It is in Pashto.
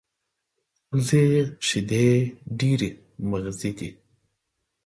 وزې شیدې ډېرې مغذي دي